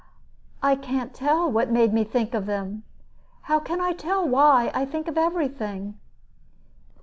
"I can't tell what made me think of them. How can I tell why I think of every thing?"